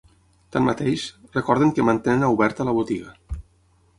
Tanmateix, recorden que mantenen oberta la botiga.